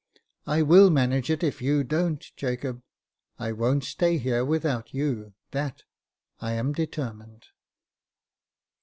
" I will manage it, if you don't, Jacob. I won't stay here without you, that I am determined."